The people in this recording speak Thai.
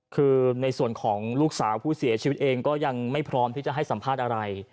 คือในส่วนของลูกสาวผู้เสียชีวิตเองก็ยังไม่พร้อมที่จะให้สัมภาษณ์อะไร